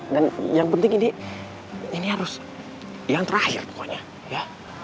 dan yang penting ini harus yang terakhir pokoknya ya